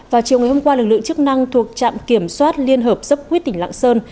vào chiều ngày hôm qua lực lượng chức năng thuộc trạm kiểm soát liên hợp dốc quýt tỉnh lạng sơn